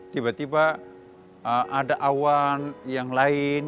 tiba tiba ada awan yang lain